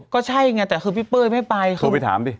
ก็ใช่ไงแต่คือพี่เป้ยไม่ไป